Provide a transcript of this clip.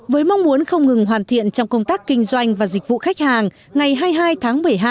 với mong muốn không ngừng hoàn thiện trong công tác kinh doanh và dịch vụ khách hàng ngày hai mươi hai tháng một mươi hai